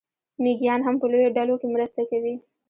مېږیان هم په لویو ډلو کې مرسته کوي.